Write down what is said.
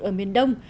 ở miền đông